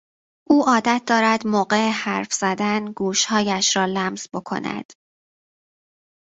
او عادت دارد موقع حرف زدن گوشهایش را لمس بکند.